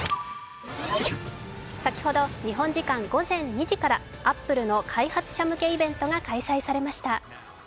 先ほど日本時間午前２時からアップルの開発者向けイベントが開催されました。